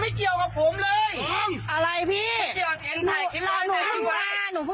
ไม่ใช่ตอนนี้นะอะไรของพี่เนี่ยอะไรของพี่ไม่เกี่ยวอะไรของพี่